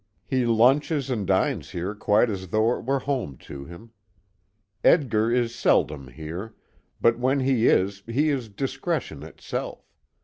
He lunches and dines here quite as though it were home to him. Edgar is seldom here, but when he is, he is discretion itself.